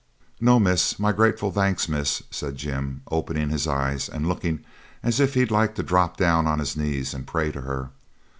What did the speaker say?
'No, miss; my grateful thanks, miss,' said Jim, opening his eyes and looking as if he'd like to drop down on his knees and pray to her.